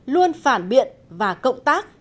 luôn phản biện và cộng tác